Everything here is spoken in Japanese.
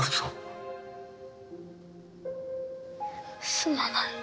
すまない。